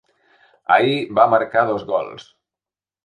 Ahir va marcar dos gols.